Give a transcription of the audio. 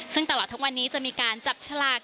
ซึ่งตลอดทั้งวันนี้จะมีการจับฉลาก